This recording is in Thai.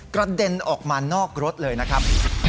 กระเด็นออกมานอกรถเลยนะครับ